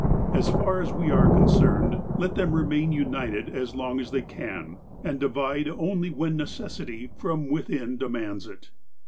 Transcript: As far as we are concerned, let them remain united, as long as they can, and divide only when necessity from within demands it.